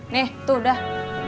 nih tuh udah